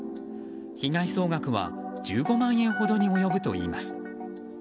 被害総額は１５万円ほどに及ぶといいます。